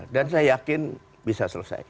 dan saya yakin bisa selesai